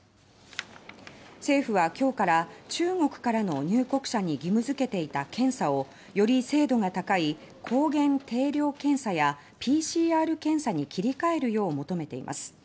政府は今日から中国からの入国者に義務付けていた検査をより精度が高い抗原定量検査やＰＣＲ検査に切り替えるよう求めています。